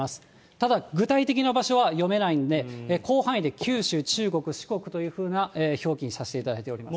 ただ、具体的な場所は読めないので、広範囲で九州、中国、四国というふうな表記にさせていただいております。